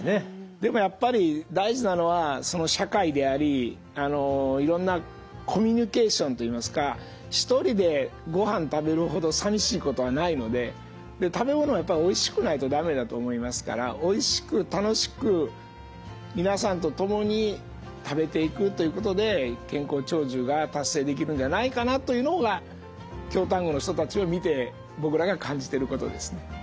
でもやっぱり大事なのは社会でありいろんなコミュニケーションといいますか一人でごはん食べるほど寂しいことはないので食べ物はやっぱりおいしくないと駄目だと思いますからおいしく楽しく皆さんと共に食べていくということで健康長寿が達成できるんじゃないかなというのが京丹後の人たちを見て僕らが感じてることですね。